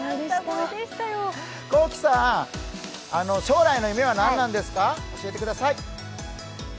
聖さん、将来の夢は何なんですか、教えてください。